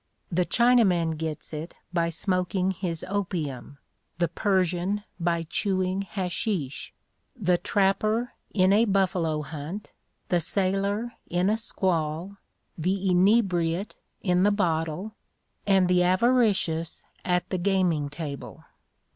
The Chinaman gets it by smoking his opium; the Persian by chewing hashish; the trapper in a buffalo hunt; the sailor in a squall; the inebriate in the bottle, and the avaricious at the gaming table.